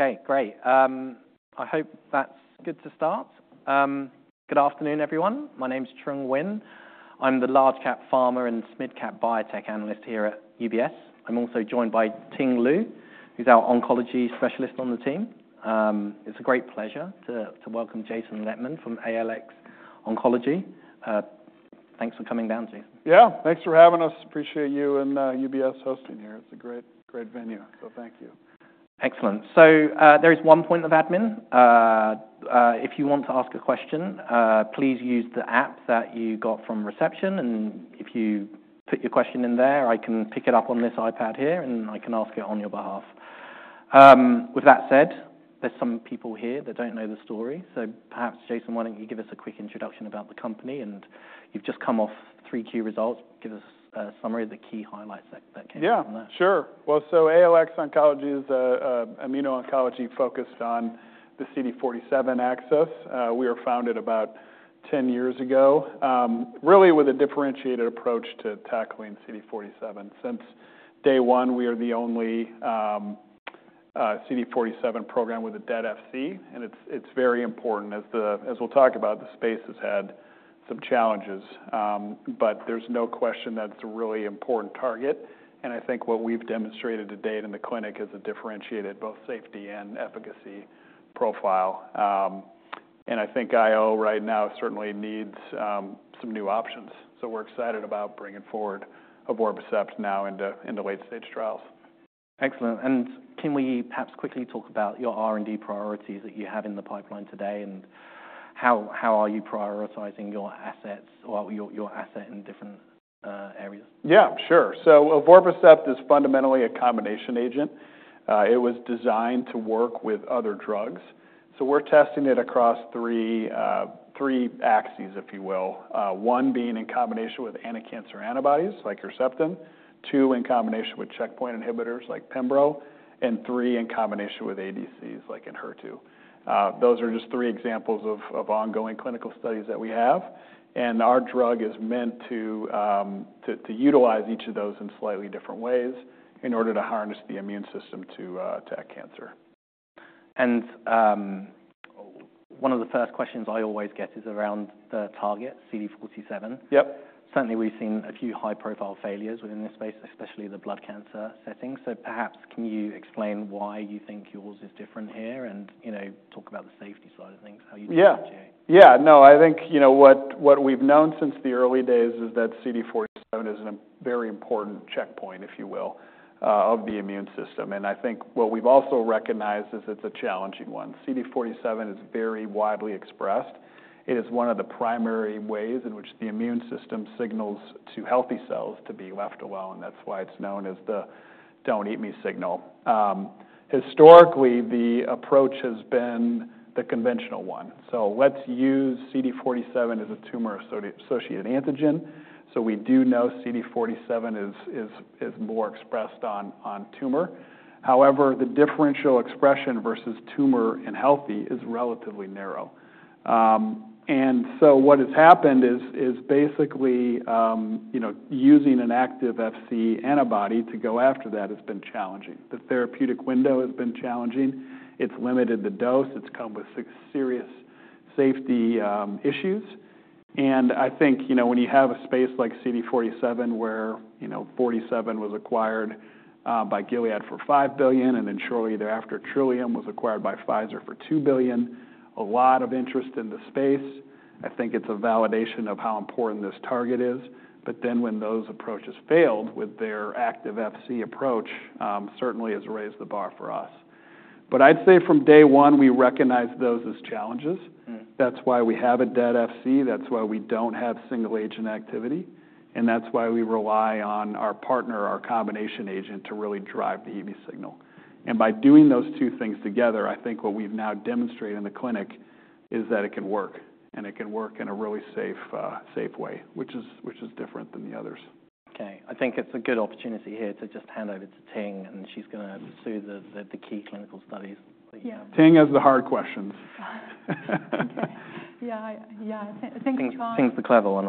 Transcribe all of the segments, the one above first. Okay, great. I hope that's good to start. Good afternoon, everyone. My name's Trung Nguyen. I'm the large-cap pharma and mid-cap biotech analyst here at UBS. I'm also joined by Ting Liu, who's our oncology specialist on the team. It's a great pleasure to welcome Jason Lettman from ALX Oncology. Thanks for coming down, Jason. Yeah, thanks for having us. Appreciate you and UBS hosting here. It's a great venue, so thank you. Excellent. So there is one point of admin. If you want to ask a question, please use the app that you got from reception. And if you put your question in there, I can pick it up on this iPad here, and I can ask it on your behalf. With that said, there's some people here that don't know the story. So perhaps, Jason, why don't you give us a quick introduction about the company? And you've just come off three key results. Give us a summary of the key highlights that came from that. Yeah, sure. Well, so ALX Oncology is an immuno-oncology focused on the CD47 axis. We were founded about 10 years ago, really with a differentiated approach to tackling CD47. Since day one, we are the only CD47 program with a dead Fc. And it's very important. As we'll talk about, the space has had some challenges. But there's no question that it's a really important target. And I think what we've demonstrated to date in the clinic is a differentiated both safety and efficacy profile. And I think IO right now certainly needs some new options. So we're excited about bringing forward evorpacept now into late-stage trials. Excellent. And can we perhaps quickly talk about your R&D priorities that you have in the pipeline today? And how are you prioritizing your assets or your asset in different areas? Yeah, sure. So evorpacept is fundamentally a combination agent. It was designed to work with other drugs. So we're testing it across three axes, if you will. One being in combination with anticancer antibodies, like Herceptin. Two in combination with checkpoint inhibitors, like pembro. And three in combination with ADCs, like Enhertu. Those are just three examples of ongoing clinical studies that we have. And our drug is meant to utilize each of those in slightly different ways in order to harness the immune system to attack cancer. One of the first questions I always get is around the target, CD47. Yep. Certainly, we've seen a few high-profile failures within this space, especially the blood cancer setting. So perhaps can you explain why you think yours is different here and talk about the safety side of things, how you differentiate? Yeah, yeah. No, I think what we've known since the early days is that CD47 is a very important checkpoint, if you will, of the immune system. And I think what we've also recognized is it's a challenging one. CD47 is very widely expressed. It is one of the primary ways in which the immune system signals to healthy cells to be left alone. That's why it's known as the don't-eat-me signal. Historically, the approach has been the conventional one. So let's use CD47 as a tumor-associated antigen. So we do know CD47 is more expressed on tumor. However, the differential expression versus tumor and healthy is relatively narrow. And so what has happened is basically using an active Fc antibody to go after that has been challenging. The therapeutic window has been challenging. It's limited the dose. It's come with serious safety issues. I think when you have a space like CD47, where CD47 was acquired by Gilead for $5 billion, and then shortly thereafter Trillium was acquired by Pfizer for $2 billion, a lot of interest in the space. I think it's a validation of how important this target is. But then when those approaches failed with their active Fc approach, certainly has raised the bar for us. But I'd say from day one, we recognized those as challenges. That's why we have a dead Fc. That's why we don't have single-agent activity. And that's why we rely on our partner, our combination agent, to really drive the ADCP signal. And by doing those two things together, I think what we've now demonstrated in the clinic is that it can work. And it can work in a really safe way, which is different than the others. Okay. I think it's a good opportunity here to just hand over to Ting, and she's going to pursue the key clinical studies. Yeah, Ting has the hard questions. Yeah, yeah. I think. Ting's the clever one.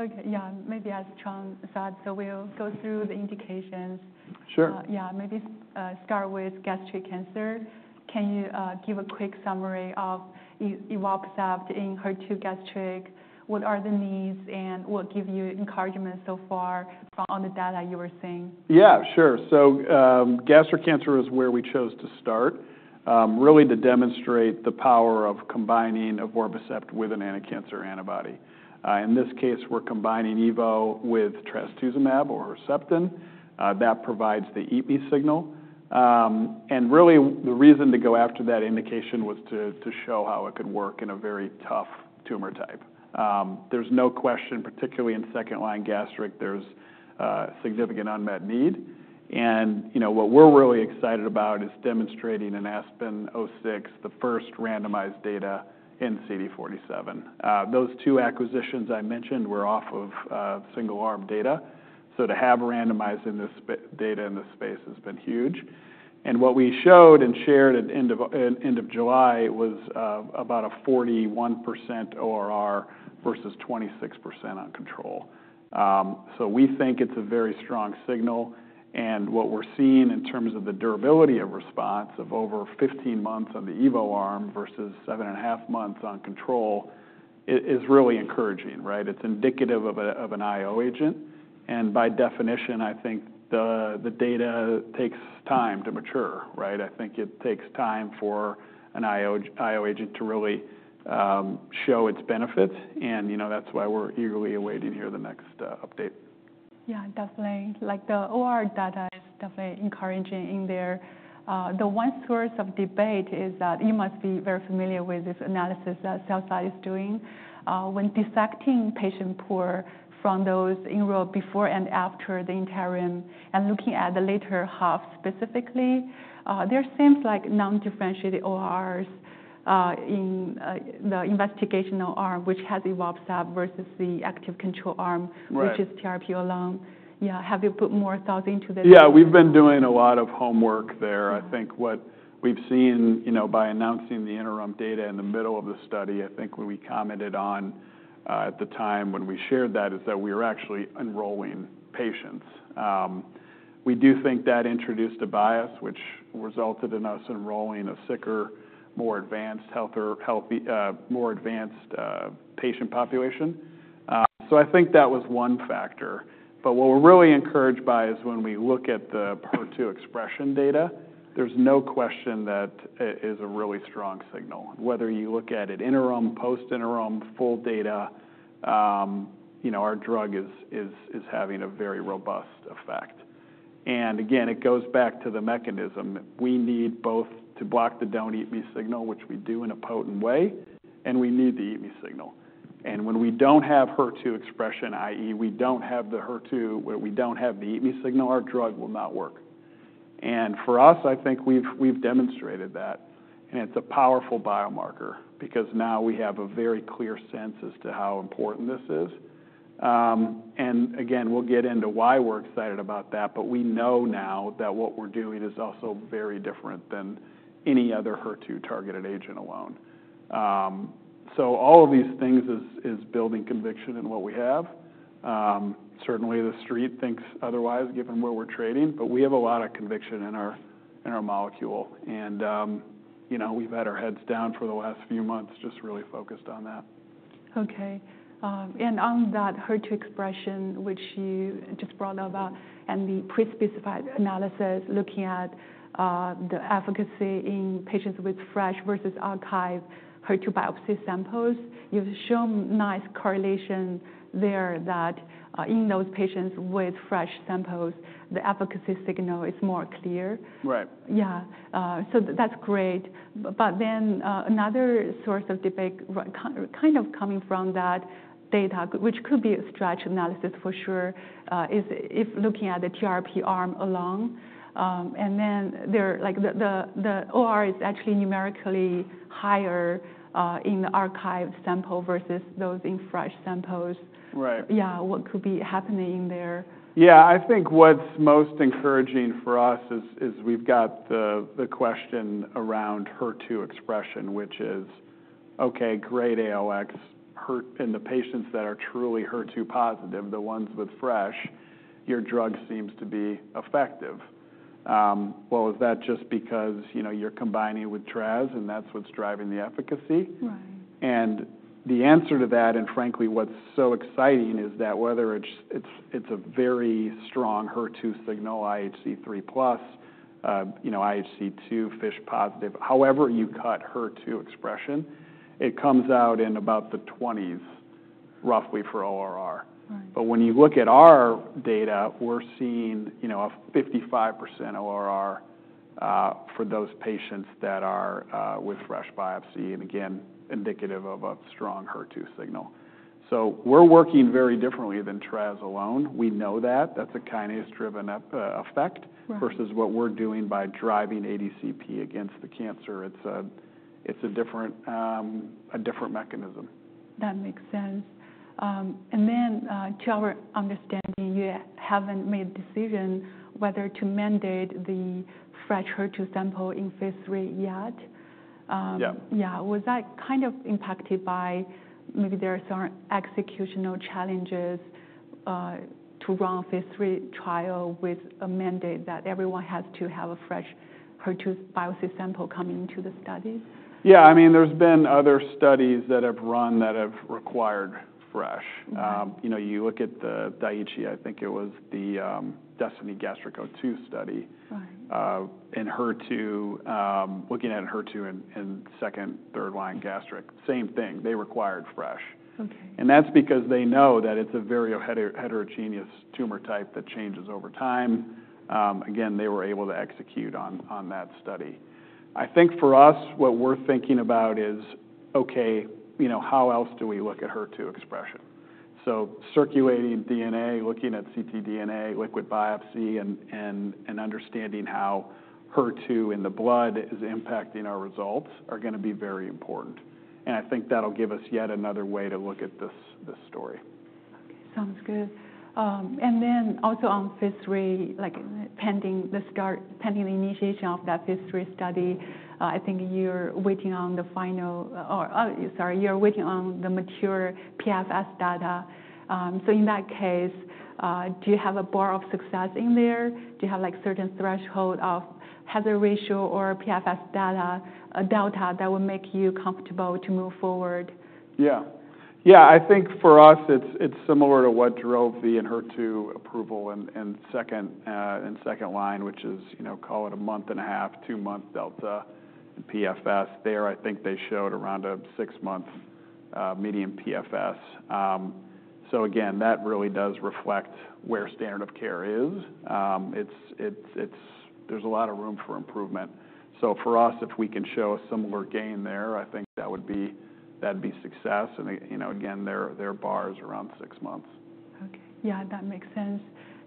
Okay, yeah. Maybe ask Trung. So we'll go through the indications. Sure. Yeah, maybe start with gastric cancer. Can you give a quick summary of evorpacept in Enhertu gastric? What are the needs? And what give you encouragement so far on the data you were seeing? Yeah, sure. So gastric cancer is where we chose to start, really to demonstrate the power of combining evorpacept with an anticancer antibody. In this case, we're combining EVO with trastuzumab or Herceptin. That provides the eat-me signal. And really, the reason to go after that indication was to show how it could work in a very tough tumor type. There's no question, particularly in second-line gastric, there's significant unmet need. And what we're really excited about is demonstrating in ASPEN-06 the first randomized data in CD47. Those two acquisitions I mentioned were off of single-arm data. So to have randomized data in this space has been huge. And what we showed and shared at the end of July was about a 41% ORR versus 26% on control. So we think it's a very strong signal. What we're seeing in terms of the durability of response of over 15 months on the EVO arm versus seven and 1/2 months on control is really encouraging, right? It's indicative of an IO agent. By definition, I think the data takes time to mature, right? I think it takes time for an IO agent to really show its benefits. That's why we're eagerly awaiting here the next update. Yeah, definitely. Like the ORR data is definitely encouraging in there. The one source of debate is that you must be very familiar with this analysis that the sell-side is doing. When dissecting patient pool from those enrolled before and after the interim and looking at the later half specifically, there seems like non-differentiated ORRs in the investigational arm, which has evorpacept versus the active control arm, which is pembro alone. Yeah, have you put more thoughts into this? Yeah, we've been doing a lot of homework there. I think what we've seen by announcing the interim data in the middle of the study, I think what we commented on at the time when we shared that is that we were actually enrolling patients. We do think that introduced a bias, which resulted in us enrolling a sicker, more advanced patient population. So I think that was one factor. But what we're really encouraged by is when we look at the Enhertu expression data, there's no question that it is a really strong signal. Whether you look at it interim, post-interim, full data, our drug is having a very robust effect. And again, it goes back to the mechanism. We need both to block the don't-eat-me signal, which we do in a potent way, and we need the eat-me signal. And when we don't have Enhertu expression, i.e., we don't have the Enhertu, we don't have the eat-me signal, our drug will not work. And for us, I think we've demonstrated that. And it's a powerful biomarker because now we have a very clear sense as to how important this is. And again, we'll get into why we're excited about that. But we know now that what we're doing is also very different than any other Enhertu-targeted agent alone. So all of these things is building conviction in what we have. Certainly, the street thinks otherwise given where we're trading. But we have a lot of conviction in our molecule. And we've had our heads down for the last few months, just really focused on that. Okay, and on that Enhertu expression, which you just brought up, and the pre-specified analysis looking at the efficacy in patients with fresh versus archived Enhertu biopsy samples, you've shown nice correlation there that in those patients with fresh samples, the efficacy signal is more clear. Right. Yeah. So that's great. But then another source of debate kind of coming from that data, which could be a stretched analysis for sure, is if looking at the TRP arm alone. And then the OR is actually numerically higher in the archived sample versus those in fresh samples. Right. Yeah, what could be happening there? Yeah, I think what's most encouraging for us is we've got the question around Enhertu expression, which is, okay, great ALX. In the patients that are truly Enhertu positive, the ones with FISH, your drug seems to be effective. Well, is that just because you're combining with traz, and that's what's driving the efficacy? Right. The answer to that, and frankly, what's so exciting is that whether it's a very strong Enhertu signal, IHC3+, IHC2, FISH positive, however you cut Enhertu expression, it comes out in about the 20s, roughly for ORR. When you look at our data, we're seeing a 55% ORR for those patients that are with fresh biopsy, and again, indicative of a strong Enhertu signal. We're working very differently than traz alone. We know that. That's a kinase-driven effect versus what we're doing by driving ADCP against the cancer. It's a different mechanism. That makes sense. And then to our understanding, you haven't made a decision whether to mandate the fresh Enhertu sample in phase III yet. Yeah. Yeah. Was that kind of impacted by maybe there are some executional challenges to run a phase III trial with a mandate that everyone has to have a fresh Enhertu biopsy sample coming into the study? Yeah, I mean, there's been other studies that have run that have required fresh. You look at the Daiichi, I think it was the DESTINY-Gastric02 study in Enhertu, looking at Enhertu in second, third-line gastric. Same thing. They required fresh. And that's because they know that it's a very heterogeneous tumor type that changes over time. Again, they were able to execute on that study. I think for us, what we're thinking about is, okay, how else do we look at Enhertu expression? So circulating DNA, looking at ctDNA, liquid biopsy, and understanding how Enhertu in the blood is impacting our results are going to be very important. And I think that'll give us yet another way to look at this story. Okay, sounds good. And then also on phase III, like pending the initiation of that phase III study, I think you're waiting on the final, or sorry, you're waiting on the mature PFS data. So in that case, do you have a bar of success in there? Do you have like certain threshold of hazard ratio or PFS data delta that will make you comfortable to move forward? Yeah. Yeah, I think for us, it's similar to what drove the Enhertu approval in second line, which is call it a month and a half, two-month delta in PFS. There, I think they showed around a six-month median PFS. So again, that really does reflect where standard of care is. There's a lot of room for improvement. So for us, if we can show a similar gain there, I think that would be success. And again, there are bars around six months. Okay. Yeah, that makes sense.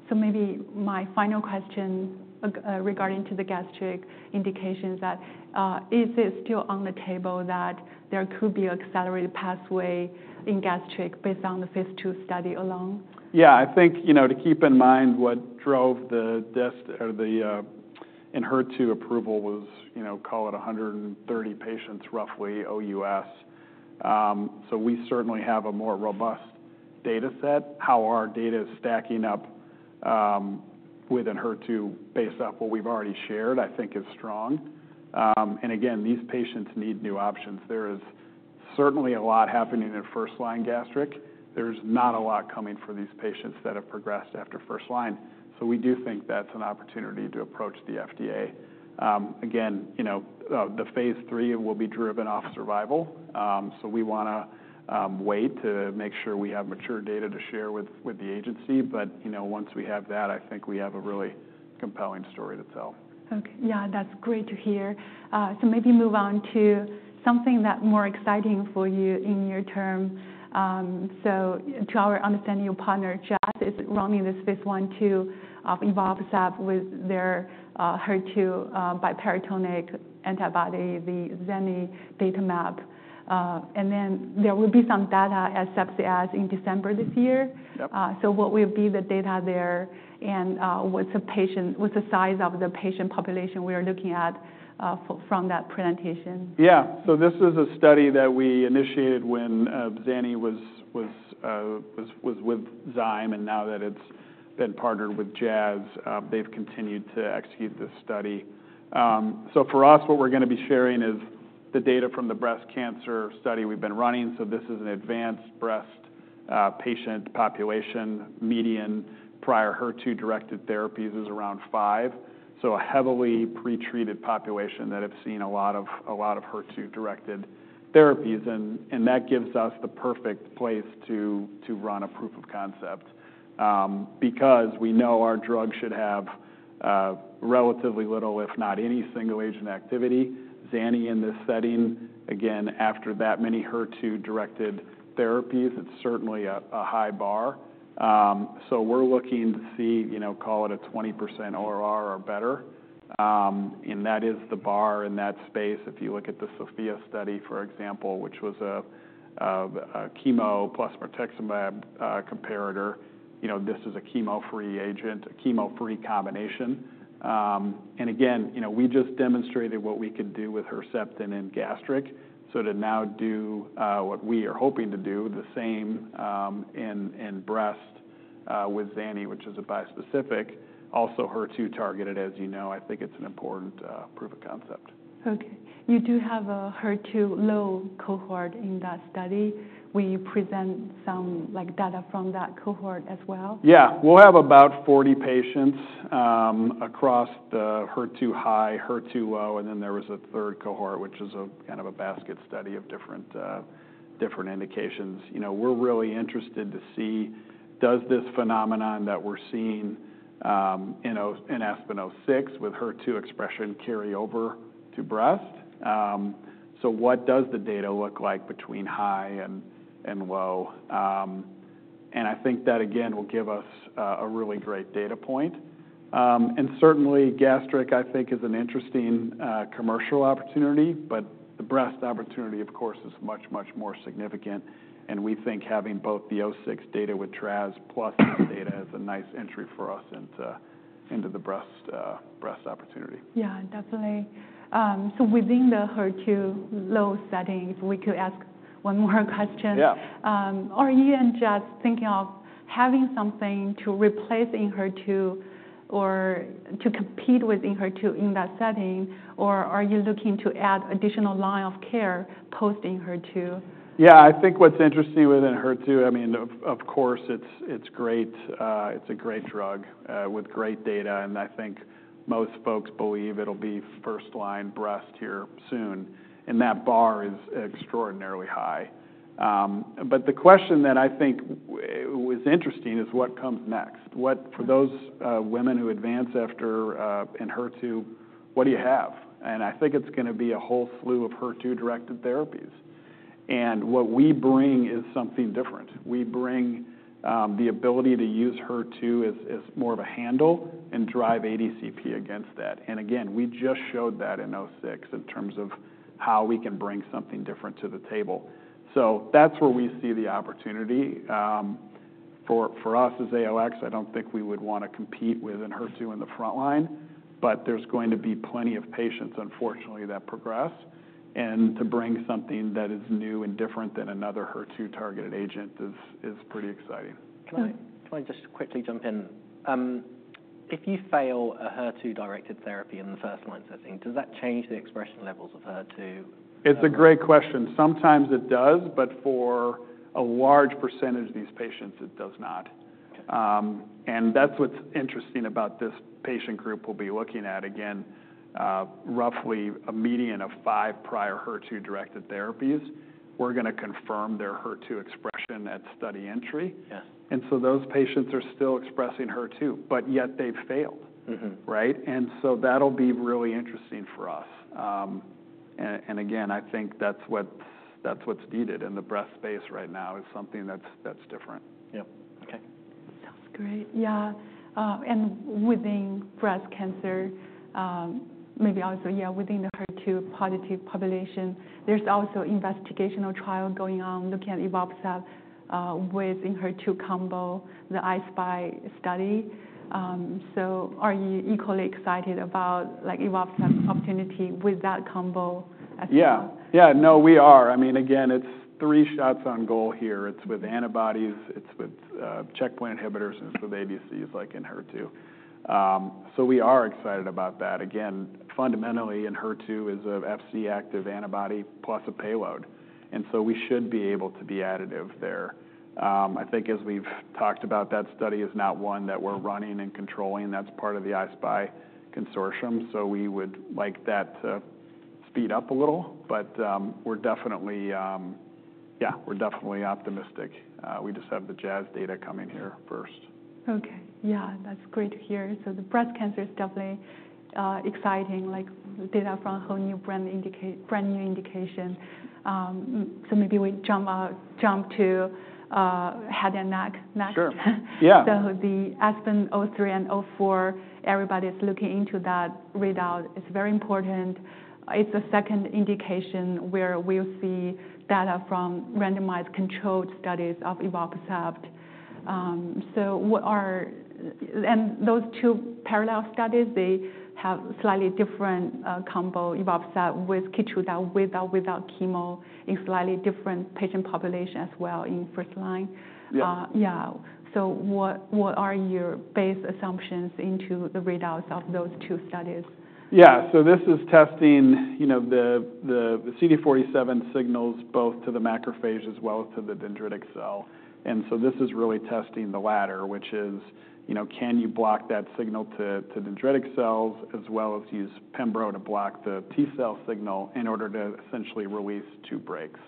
So maybe my final question regarding to the gastric indications: is it still on the table that there could be an accelerated pathway in gastric based on the phase II study alone? Yeah, I think to keep in mind what drove the initial Enhertu approval was call it 130 patients roughly OUS. So we certainly have a more robust data set. How our data is stacking up within Enhertu based off what we've already shared, I think is strong. And again, these patients need new options. There is certainly a lot happening in first-line gastric. There's not a lot coming for these patients that have progressed after first-line. So we do think that's an opportunity to approach the FDA. Again, the phase III will be driven off survival. So we want to wait to make sure we have mature data to share with the agency. But once we have that, I think we have a really compelling story to tell. Okay. Yeah, that's great to hear. So maybe move on to something that's more exciting for you in your term. So to our understanding, your partner, Jazz, is running this phase 1/2 of evorpacept with their Enhertu bispecific antibody, the zanidatamab. And then there will be some data at SABCS in December this year. So what will be the data there? And what's the size of the patient population we are looking at from that presentation? Yeah. So this is a study that we initiated when Zani was with Zymeworks. And now that it's been partnered with Jazz, they've continued to execute this study. So for us, what we're going to be sharing is the data from the breast cancer study we've been running. So this is an advanced breast patient population. Median prior Enhertu-directed therapies is around five. So a heavily pretreated population that have seen a lot of Enhertu-directed therapies. And that gives us the perfect place to run a proof of concept because we know our drug should have relatively little, if not any single-agent activity. Zani in this setting, again, after that many Enhertu-directed therapies, it's certainly a high bar. So we're looking to see, call it a 20% ORR or better. And that is the bar in that space. If you look at the SOPHIA study, for example, which was a chemo plus margetuximab comparator, this is a chemo-free agent, a chemo-free combination. And again, we just demonstrated what we could do with Herceptin in gastric. So to now do what we are hoping to do, the same in breast with Zanidatamab, which is a bispecific, also Enhertu-targeted, as you know, I think it's an important proof of concept. Okay. You do have a Enhertu-low cohort in that study. Will you present some data from that cohort as well? Yeah. We'll have about 40 patients across the Enhertu-high, Enhertu-low, and then there was a third cohort, which is a kind of a basket study of different indications. We're really interested to see, does this phenomenon that we're seeing in ASPEN-06 with Enhertu expression carry over to breast? So what does the data look like between high and low? And I think that, again, will give us a really great data point. And certainly, gastric, I think, is an interesting commercial opportunity. But the breast opportunity, of course, is much, much more significant. And we think having both the ASPEN-06 data with traz plus that data is a nice entry for us into the breast opportunity. Yeah, definitely. So within the Enhertu-low setting, if we could ask one more question. Yeah. Are you and Jazz thinking of having something to replace in Enhertu or to compete with in Enhertu in that setting? Or are you looking to add additional line of care post in Enhertu? Yeah, I think what's interesting within Enhertu, I mean, of course, it's great. It's a great drug with great data. And I think most folks believe it'll be first-line in breast here soon. And that bar is extraordinarily high. But the question that I think was interesting is what comes next. For those women who advance after Enhertu, what do you have? And I think it's going to be a whole slew of Enhertu-directed therapies. And what we bring is something different. We bring the ability to use Enhertu as more of a handle and drive ADCP against that. And again, we just showed that in 06 in terms of how we can bring something different to the table. So that's where we see the opportunity. For us as ALX, I don't think we would want to compete with Enhertu in the front line. But there's going to be plenty of patients, unfortunately, that progress. And to bring something that is new and different than another Enhertu-targeted agent is pretty exciting. Can I just quickly jump in? If you fail a Enhertu-directed therapy in the first-line setting, does that change the expression levels of Enhertu? It's a great question. Sometimes it does, but for a large percentage of these patients, it does not. And that's what's interesting about this patient group we'll be looking at. Again, roughly a median of five prior Enhertu-directed therapies, we're going to confirm their Enhertu expression at study entry. And so those patients are still expressing Enhertu, but yet they've failed, right? And so that'll be really interesting for us. And again, I think that's what's needed in the breast space right now is something that's different. Yeah. Okay. Sounds great. Yeah. And within breast cancer, maybe also, yeah, within the Enhertu-positive population, there's also investigational trial going on, looking at evorpacept within Enhertu combo, the I-SPY study. So are you equally excited about evorpacept opportunity with that combo as well? Yeah. Yeah, no, we are. I mean, again, it's three shots on goal here. It's with antibodies. It's with checkpoint inhibitors. And it's with ADCs like in Enhertu. So we are excited about that. Again, fundamentally in Enhertu is an active Fc antibody plus a payload. And so we should be able to be additive there. I think as we've talked about, that study is not one that we're running and controlling. That's part of the I-SPY consortium. So we would like that to speed up a little. But we're definitely, yeah, we're definitely optimistic. We just have the Jazz data coming here first. Okay. Yeah, that's great to hear. So the breast cancer is definitely exciting, like data from whole new brand new indication. So maybe we jump to head and neck. Sure. Yeah. So the ASPEN-03 and ASPEN-04, everybody's looking into that readout. It's very important. It's the second indication where we'll see data from randomized controlled studies of evorpacept. And those two parallel studies, they have slightly different combo evorpacept with Keytruda with or without chemo in slightly different patient population as well in first line. Yeah. So what are your base assumptions into the readouts of those two studies? Yeah. This is testing the CD47 signals both to the macrophage as well as to the dendritic cell. This is really testing the latter, which is, can you block that signal to dendritic cells as well as use pembro to block the T cell signal in order to essentially release two brakes?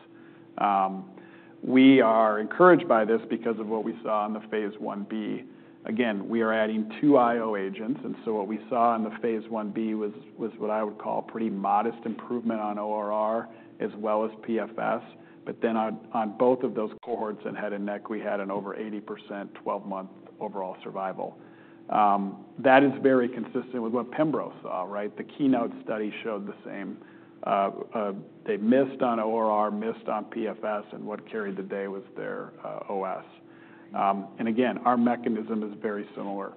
We are encouraged by this because of what we saw in the phase 1b. Again, we are adding two IO agents. What we saw in the phase 1b was what I would call pretty modest improvement on ORR as well as PFS. But then on both of those cohorts in head and neck, we had an over 80% 12-month overall survival. That is very consistent with what pembro saw, right? The KEYNOTE study showed the same. They missed on ORR, missed on PFS, and what carried the day was their OS. Again, our mechanism is very similar.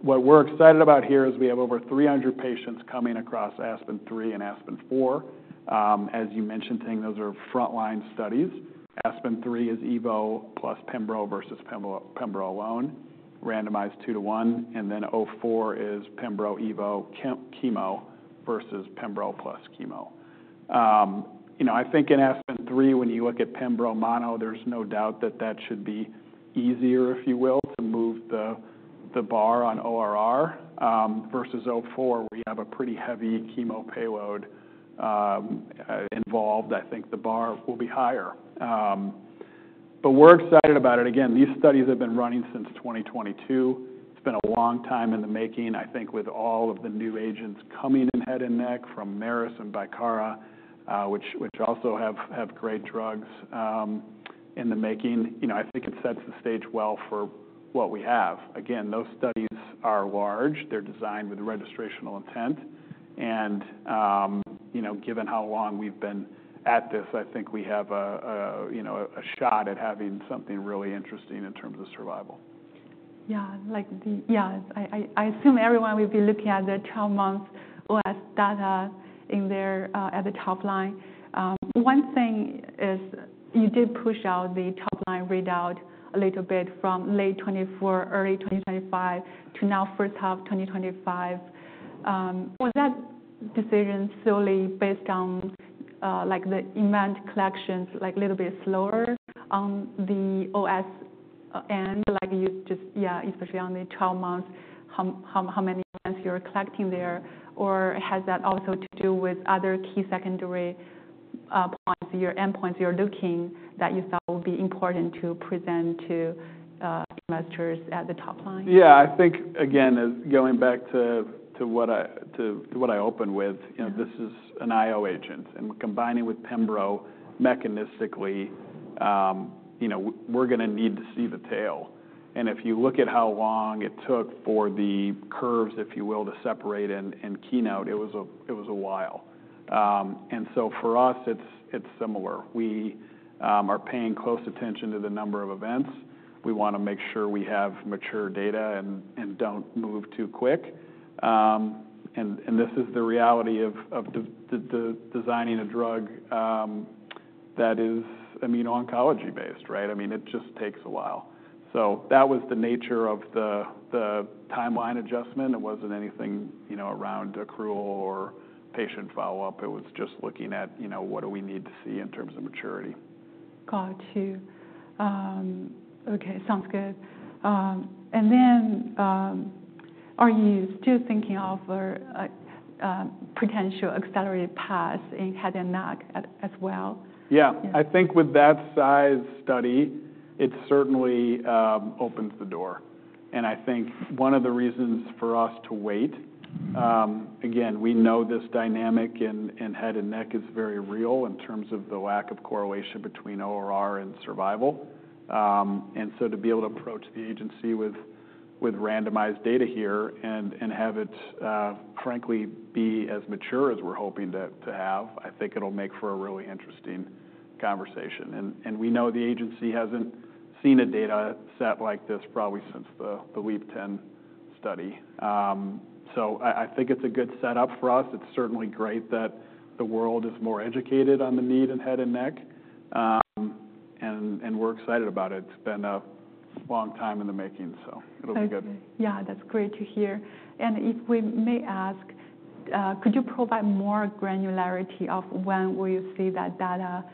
What we're excited about here is we have over 300 patients coming across ASPEN-03 and ASPEN-04. As you mentioned, those are frontline studies. ASPEN-03 is EVO plus pembro versus pembro alone, randomized two to one, and then ASPEN-04 is pembro EVO chemo versus pembro plus chemo. I think in ASPEN-03, when you look at pembro mono, there's no doubt that that should be easier, if you will, to move the bar on ORR versus ASPEN-04, where you have a pretty heavy chemo payload involved. I think the bar will be higher, but we're excited about it. Again, these studies have been running since 2022. It's been a long time in the making, I think, with all of the new agents coming in head and neck from Merus and Bicara, which also have great drugs in the making. I think it sets the stage well for what we have. Again, those studies are large. They're designed with registrational intent, and given how long we've been at this, I think we have a shot at having something really interesting in terms of survival. Yeah. Yeah. I assume everyone will be looking at the 12-month OS data at the top line. One thing is you did push out the top line readout a little bit from late 2024, early 2025 to now first half 2025. Was that decision solely based on the event collections, like a little bit slower on the OS end, especially on the 12 months, how many events you're collecting there? Or has that also to do with other key secondary points, your endpoints you're looking that you thought would be important to present to investors at the top line? Yeah. I think, again, going back to what I opened with, this is an IO agent. And combining with pembro mechanistically, we're going to need to see the tail. And if you look at how long it took for the curves, if you will, to separate in Keynote, it was a while. And so for us, it's similar. We are paying close attention to the number of events. We want to make sure we have mature data and don't move too quick. And this is the reality of designing a drug that is immuno-oncology-based, right? I mean, it just takes a while. So that was the nature of the timeline adjustment. It wasn't anything around accrual or patient follow-up. It was just looking at what do we need to see in terms of maturity. Got it too. Okay. Sounds good. And then are you still thinking of potential accelerated paths in head and neck as well? Yeah. I think with that size study, it certainly opens the door. And I think one of the reasons for us to wait, again, we know this dynamic in head and neck is very real in terms of the lack of correlation between ORR and survival. And so to be able to approach the agency with randomized data here and have it, frankly, be as mature as we're hoping to have, I think it'll make for a really interesting conversation. And we know the agency hasn't seen a data set like this probably since the LEAP-010 study. So I think it's a good setup for us. It's certainly great that the world is more educated on the need in head and neck. And we're excited about it. It's been a long time in the making, so it'll be good. Yeah. That's great to hear. And if we may ask, could you provide more granularity of when will you see that data?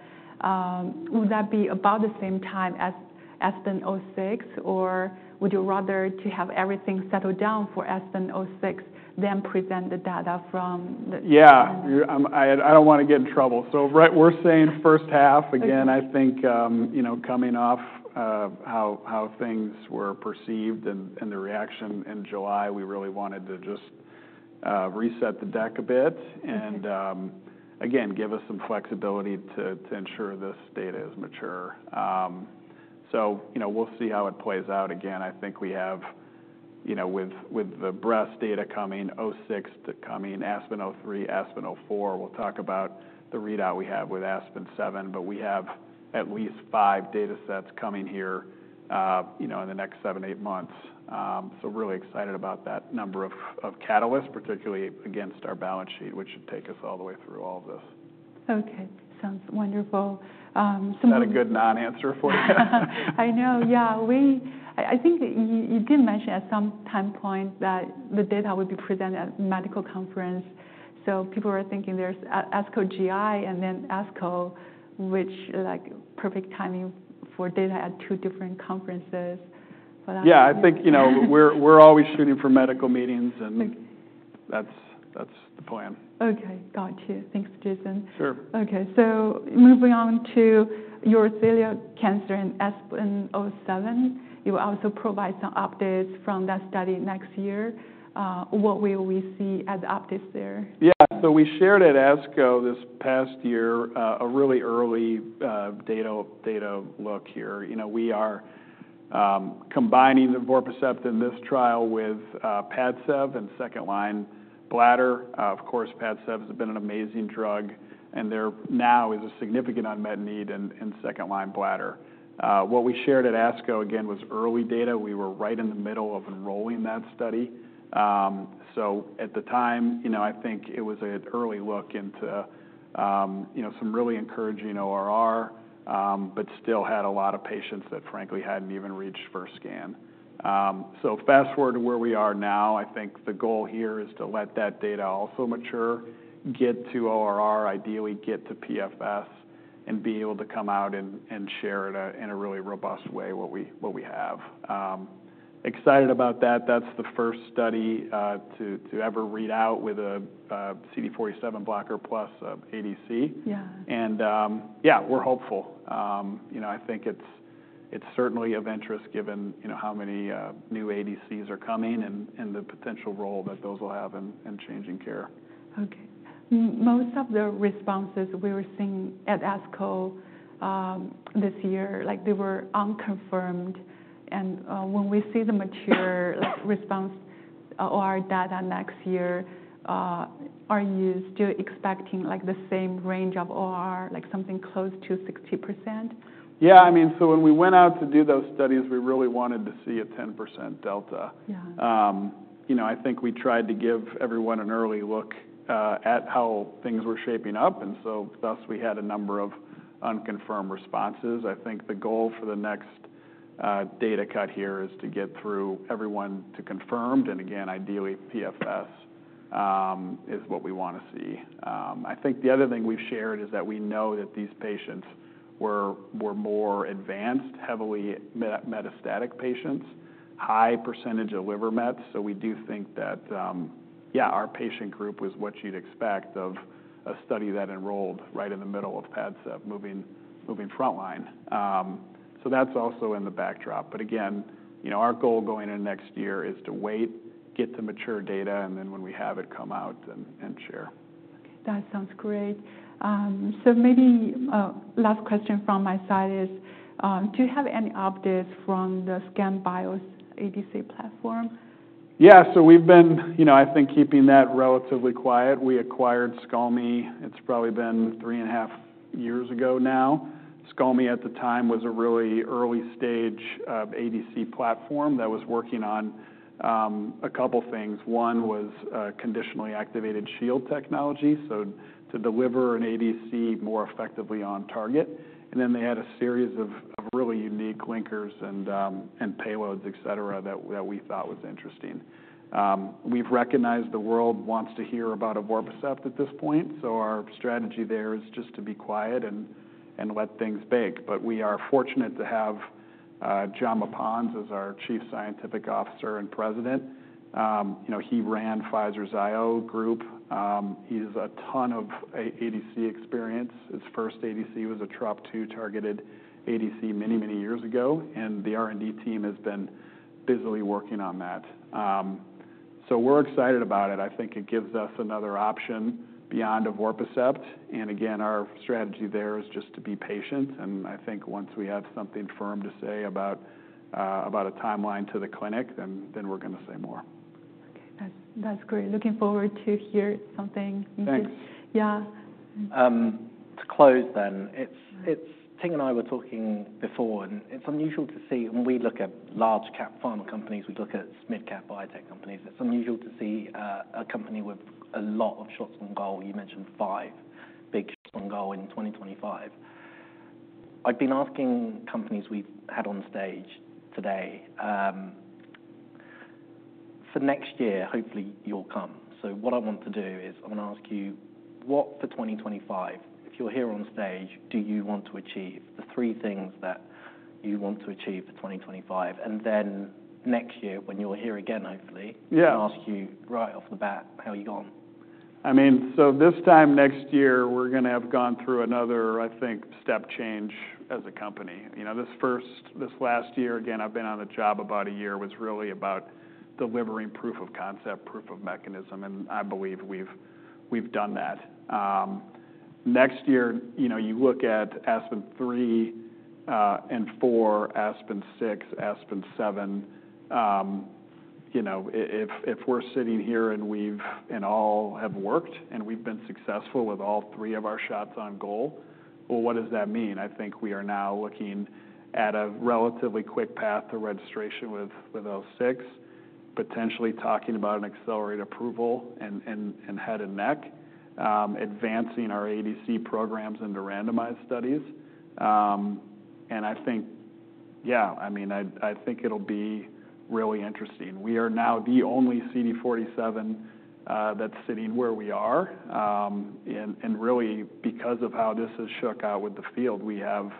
Would that be about the same time as Aspen 06, or would you rather have everything settled down for Aspen 06, then present the data from the? Yeah. I don't want to get in trouble. So we're saying first half. Again, I think coming off how things were perceived and the reaction in July, we really wanted to just reset the deck a bit and, again, give us some flexibility to ensure this data is mature. So we'll see how it plays out. Again, I think we have with the breast data coming, ASPEN-06 coming, ASPEN-03, ASPEN-04, we'll talk about the readout we have with ASPEN-07, but we have at least five data sets coming here in the next seven, eight months. So really excited about that number of catalysts, particularly against our balance sheet, which should take us all the way through all of this. Okay. Sounds wonderful. Is that a good non-answer for you? I know. Yeah. I think you did mention at some time point that the data would be presented at medical conference. So people are thinking there's ASCO GI and then ASCO, which perfect timing for data at two different conferences. Yeah. I think we're always shooting for medical meetings, and that's the plan. Okay. Got you. Thanks, Jason. Sure. Okay. So moving on to your urothelial cancer and ASPEN-07, you will also provide some updates from that study next year. What will we see as updates there? Yeah. So we shared at ASCO this past year a really early data look here. We are combining evorpacept in this trial with Padcev and second-line bladder. Of course, Padcev has been an amazing drug, and there now is a significant unmet need in second-line bladder. What we shared at ASCO, again, was early data. We were right in the middle of enrolling that study. So at the time, I think it was an early look into some really encouraging ORR, but still had a lot of patients that, frankly, hadn't even reached first scan. So fast forward to where we are now, I think the goal here is to let that data also mature, get to ORR, ideally get to PFS, and be able to come out and share in a really robust way what we have. Excited about that. That's the first study to ever read out with a CD47 blocker plus ADC. And yeah, we're hopeful. I think it's certainly of interest given how many new ADCs are coming and the potential role that those will have in changing care. Okay. Most of the responses we were seeing at ASCO this year, they were unconfirmed. When we see the mature response or data next year, are you still expecting the same range of ORR, like something close to 60%? Yeah. I mean, so when we went out to do those studies, we really wanted to see a 10% delta. I think we tried to give everyone an early look at how things were shaping up. And so thus we had a number of unconfirmed responses. I think the goal for the next data cut here is to get through everyone to confirmed. And again, ideally, PFS is what we want to see. I think the other thing we've shared is that we know that these patients were more advanced, heavily metastatic patients, high percentage of liver mets. So we do think that, yeah, our patient group was what you'd expect of a study that enrolled right in the middle of Padcev moving frontline. So that's also in the backdrop. But again, our goal going into next year is to wait, get to mature data, and then when we have it come out and share. That sounds great. So maybe last question from my side is, do you have any updates from the ScalmiBio ADC platform? Yeah. So we've been, I think, keeping that relatively quiet. We acquired ScalmiBio. It's probably been three and a half years ago now. ScalmiBio at the time was a really early stage ADC platform that was working on a couple of things. One was conditionally activated shield technology, so to deliver an ADC more effectively on target. And then they had a series of really unique linkers and payloads, etc., that we thought was interesting. We've recognized the world wants to hear about evorpacept at this point. So our strategy there is just to be quiet and let things bake. But we are fortunate to have Jaume Pons as our Chief Scientific Officer and President. He ran Pfizer's IO group. He has a ton of ADC experience. His first ADC was a TROP2-targeted ADC many, many years ago. The R&D team has been busily working on that. We're excited about it. I think it gives us another option beyond evorpacept. Again, our strategy there is just to be patient. I think once we have something firm to say about a timeline to the clinic, then we're going to say more. Okay. That's great. Looking forward to hear something. Thanks. Yeah. To close then, Ting and I were talking before, and it's unusual to see when we look at large-cap pharma companies, we look at mid-cap biotech companies. It's unusual to see a company with a lot of shots on goal. You mentioned five big shots on goal in 2025. I've been asking companies we've had on stage today for next year. Hopefully you'll come. So what I want to do is I'm going to ask you what for 2025, if you're here on stage, do you want to achieve? The three things that you want to achieve for 2025. Then next year, when you're here again, hopefully, I'll ask you right off the bat, how are you going? I mean, so this time next year, we're going to have gone through another, I think, step change as a company. This last year, again, I've been on the job about a year, was really about delivering proof of concept, proof of mechanism, and I believe we've done that. Next year, you look at ASPEN-03 and ASPEN-04, ASPEN-06, ASPEN-07. If we're sitting here and we've all have worked and we've been successful with all three of our shots on goal, well, what does that mean? I think we are now looking at a relatively quick path to registration with ASPEN-06, potentially talking about an accelerated approval and head and neck, advancing our ADC programs into randomized studies, and I think, yeah, I mean, I think it'll be really interesting. We are now the only CD47 that's sitting where we are. And really, because of how this has shook out with the field, we have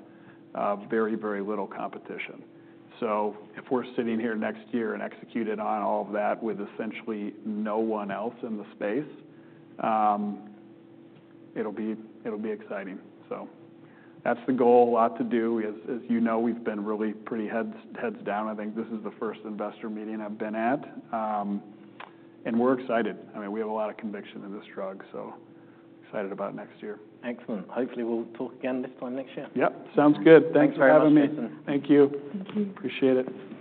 very, very little competition. So if we're sitting here next year and executed on all of that with essentially no one else in the space, it'll be exciting. So that's the goal, a lot to do. As you know, we've been really pretty heads down. I think this is the first investor meeting I've been at. And we're excited. I mean, we have a lot of conviction in this drug, so excited about next year. Excellent. Hopefully, we'll talk again this time next year. Yep. Sounds good. Thanks for having me. Thank you. Appreciate it.